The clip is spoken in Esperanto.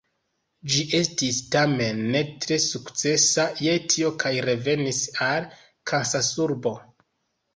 Ĝi estis tamen ne tre sukcesa je tio kaj revenis al Kansasurbo.